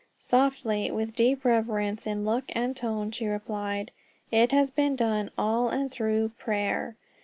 Softly, with deep reverence in look and tone, she replied: "It has been done all in and through prayer!"